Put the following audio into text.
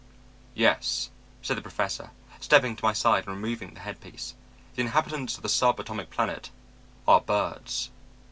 "'Yes,' said the Professor, stepping to my side and removing the headpiece, 'the inhabitants of the sub atomic planet are birds.'